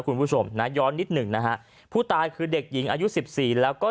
คุณผู้ชมนะย้อนนิดหนึ่งนะฮะผู้ตายคือเด็กหญิงอายุสิบสี่แล้วก็